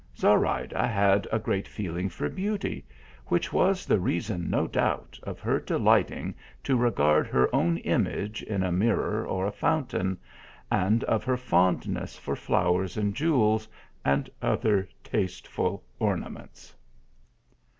Zorayda had a great feeling for beauty, which was the reason, no doubt, of her delighting to regard her own image in a mirror or a fountain, and of her fondness for flowers and jewels, and other taste ful ornaments.